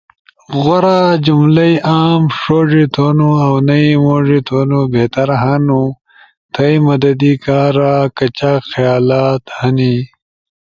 غورا جملئی، عام ݜوڙی تھونو اؤ نئی موڙی تھونو بہتر ہنو۔ تھئی مدد کارا کچاک خیالات ہنی۔